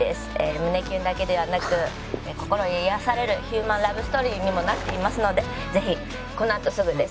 胸キュンだけではなく心癒やされるヒューマンラブストーリーにもなっていますのでぜひこのあとすぐです。